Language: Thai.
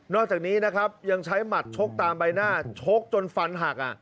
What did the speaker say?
อกจากนี้นะครับยังใช้หมัดชกตามใบหน้าชกจนฟันหัก